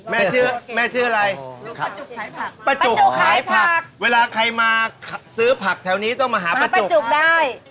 แม่ชื่อแม่ชื่ออะไรผักป้าจุกขายผักเวลาใครมาซื้อผักแถวนี้ต้องมาหาป้าจุกจุกได้